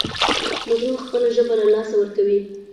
مظلوم خپله ژبه له لاسه ورکوي.